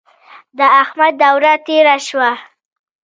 د احمد دوره تېره شوه.